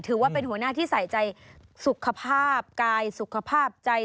ถือว่าเป็นหัวหน้าที่ใส่ใจสุขภาพกายสุขภาพใจ